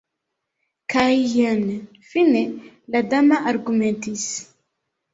Kaj jen fine la dama argumentis.